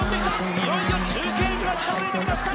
いよいよ中継所が近づいてきました